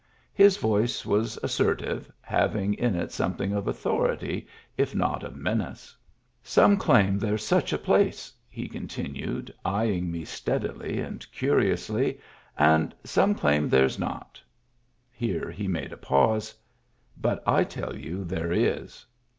His voice was assertive, having in it something of authority, if not of menace. " Some claim there's such a place,'* he continued, eying me steadily and curiously, " and some claim there's not." (Here he made a pause.) " But I tell you there is."